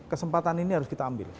kesempatan ini harus kita ambil